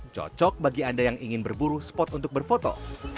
cocok bagi anda yang ingin berburu spot untuk berfoto